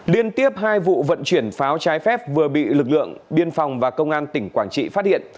liên tiếp hai vụ vận chuyển pháo trái phép vừa bị lực lượng biên phòng và công an tỉnh quảng trị phát hiện